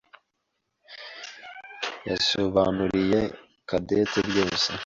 yasobanuriye Cadette byose.